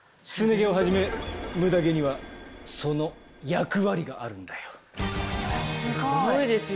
すね毛をはじめムダ毛にはその役割があるんだよ。